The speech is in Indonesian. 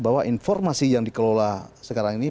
bahwa informasi yang dikelola sekarang ini